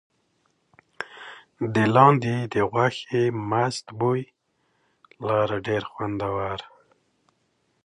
د لاندي غوښې مست بوی لاره ډېر خوندور.